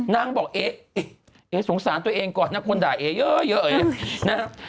นางบอกเอ๊ะเอ๊ะสงสารตัวเองก่อนนะคนด่ายเอ๊ะเยอะ